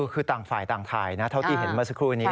คือต่างฝ่ายต่างถ่ายนะเท่าที่เห็นเมื่อสักครู่นี้